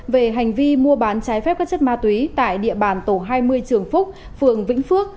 về hành vi mua bán trái phép các chất ma túy tại địa bàn tổ hai mươi trường phúc phường vĩnh phước